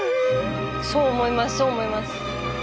そう思いますそう思います。